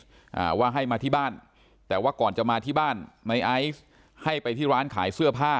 อ่าว่าให้มาที่บ้านแต่ว่าก่อนจะมาที่บ้านในไอซ์ให้ไปที่ร้านขายเสื้อผ้า